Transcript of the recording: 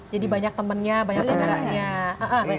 jadi banyak temennya banyak senangannya